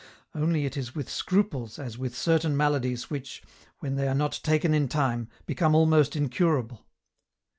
Only it is with scruples as with certain maladies which, when they are not taken in time, become almost incurable.